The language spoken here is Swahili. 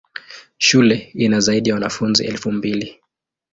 Shule ina zaidi ya wanafunzi elfu mbili.